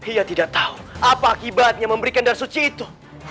ia tidak tahu apa akibatnya memberikan darah suci itu